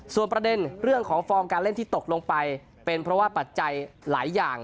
ส่วนประเด็นเรื่องของฟอร์มการเล่นที่ตกลงไปเป็นเพราะว่าปัจจัยหลายอย่าง